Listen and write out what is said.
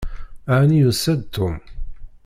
Ɛni yusa-d Tom?